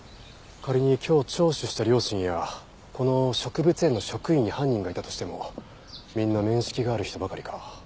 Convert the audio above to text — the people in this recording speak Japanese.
仮に今日聴取した両親やこの植物園の職員に犯人がいたとしてもみんな面識がある人ばかりか。